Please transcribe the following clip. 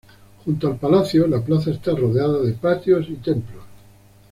Junto al palacio, la plaza está rodeada de patios y templos.